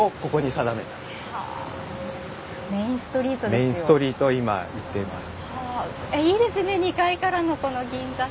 メインストリートを今行っています。